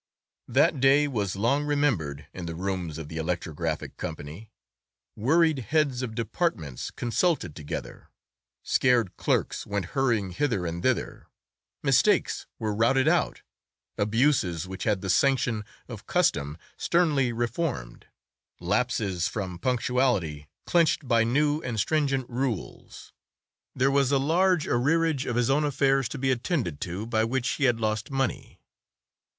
That day was long remembered in the rooms of the Electrographic Company. Worried heads of departments consulted together; scared clerks went hurrying hither and thither; mistakes were routed out, abuses which had the sanction of custom sternly reformed, lapses from punctuality clinched by new and stringent rules. There was a large arrearage of his own affairs to be attended to, by which he had lost money.